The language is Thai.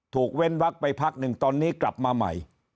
เว้นวักไปพักหนึ่งตอนนี้กลับมาใหม่